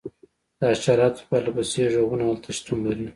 د حشراتو پرله پسې غږونه هلته شتون لري